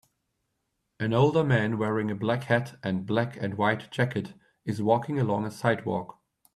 An older man wearing a black hat and black and white jacket is walking along a sidewalk.